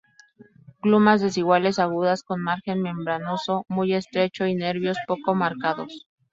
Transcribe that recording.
Glumas desiguales, agudas, con margen membranoso muy estrecho y nervios poco marcados.